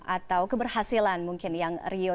atau keberhasilan mungkin yang rio